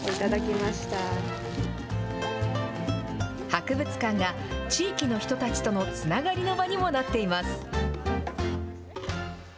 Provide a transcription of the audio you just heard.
博物館が、地域の人たちとのつながりの場にもなっています。